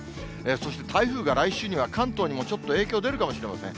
そして台風が来週には関東にもちょっと影響出るかもしれません。